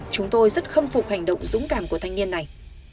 chúng tôi rất khâm phục hành động dũng cảm của thanh niên này